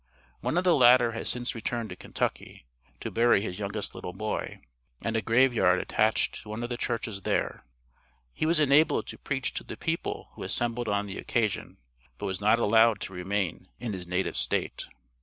One of the latter has since returned to Kentucky, to bury his youngest little boy, in a grave yard attached to one of the churches there. He was enabled to preach to the people who assembled on the occasion, but was not allowed to remain in his native State.